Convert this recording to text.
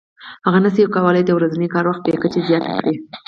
هغه نشي کولای د ورځني کار وخت بې کچې زیات کړي